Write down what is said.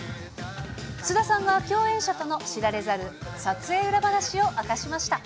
菅田さんが共演者との知られざる撮影裏話を明かしました。